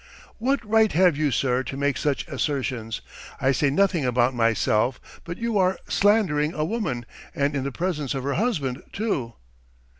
"What right have you, sir, to make such assertions? I say nothing about myself, but you are slandering a woman, and in the presence of her husband, too!"